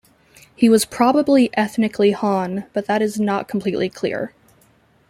He was probably ethnically Han, but that is not completely clear.